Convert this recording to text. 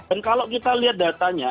dan kalau kita lihat datanya